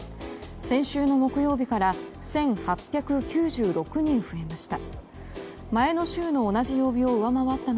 先週の木曜日から１８９６人増えました。